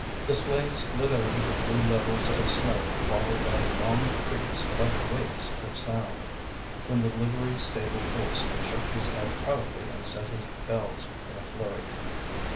The sleigh slid over the blue levels of snow followed by long creaks like wakes of sound, when the livery stable horse shook his head proudly and set his bells in a flurry.